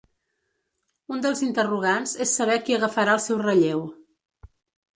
Un dels interrogants és saber qui agafarà el seu relleu.